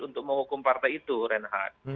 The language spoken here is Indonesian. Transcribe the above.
untuk menghukum partai itu renhat